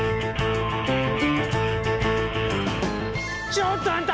ちょっとあんた！